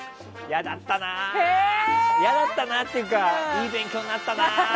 嫌だったなっていうかいい勉強になったな。